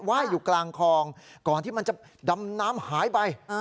ว่ายอยู่กลางคลองก่อนที่มันจะดำน้ำหายไป